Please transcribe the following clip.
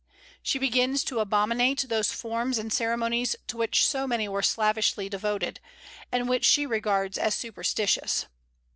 She begins to abominate those forms and ceremonies to which so many were slavishly devoted, and which she regards as superstitious.